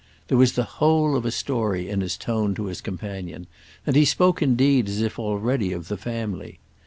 There was the whole of a story in his tone to his companion, and he spoke indeed as if already of the family.